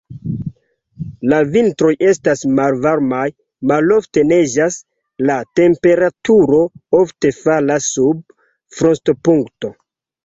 La vintroj estas malvarmaj, malofte neĝas, la temperaturo ofte falas sub frostopunkto.